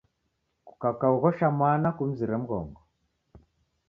Kukakaoghosha mwana, kumzire mghongo.